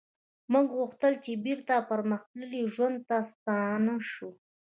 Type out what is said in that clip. موږ غوښتل چې بیرته پرمختللي ژوند ته ستانه شو